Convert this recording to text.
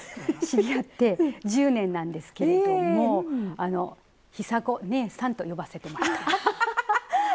知り合って１０年なんですけれども尚子ねえさんと呼ばせてもらってます。